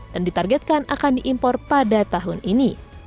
dan ditargetkan akan diimpor pada tahun ini